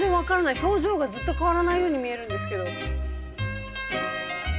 表情がずっと変わらないように見えるんですけど。